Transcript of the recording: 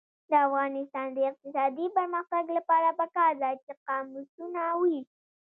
د افغانستان د اقتصادي پرمختګ لپاره پکار ده چې قاموسونه وي.